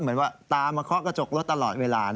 เหมือนว่าตามมาเคาะกระจกรถตลอดเวลา